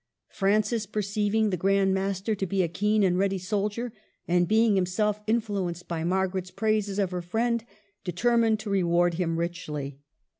Francis, perceiv ing the Grand Master to be a keen and ready soldier, and being himself influenced by Mar garet's praises of her friend, determined to reward him richly.